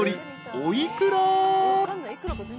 ［お幾ら？］